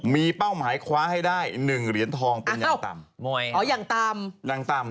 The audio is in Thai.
มีเป้าหมายคว้าให้ได้๑เหรียญทองเป็นอย่างต่ำอ๋ออย่างต่ำ